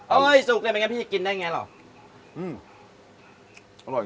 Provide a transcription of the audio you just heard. โอ้ยสุกเลยไม่งั้นพี่จะกินได้ไงหรอ